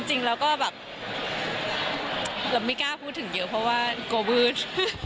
จริงแล้วก็แบบเราไม่กล้าพูดถึงเยอะเพราะว่ากลัวมืด